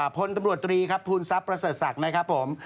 พลตำรวจตรีครับภูมิทรัพย์ประเสริฐศักดิ์นะครับผม